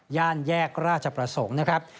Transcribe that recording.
แยกราชประสงค์นะครับ